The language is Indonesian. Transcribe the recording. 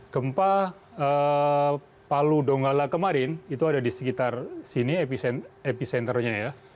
gempa palu donggala kemarin itu ada di sekitar sini epicenternya ya